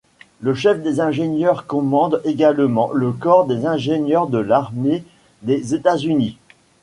Le chef des ingénieurs commande également le corps des ingénieurs de l'armée des États-Unis.